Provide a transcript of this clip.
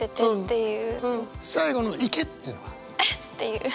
最後の「いけ！！！」っていうのは？っていう。